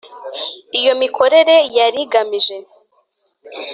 iyo mikorere yari igamije